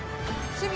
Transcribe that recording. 趣味！